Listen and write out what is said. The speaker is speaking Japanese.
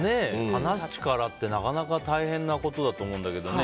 話す力ってなかなか大変なことだと思うけどね。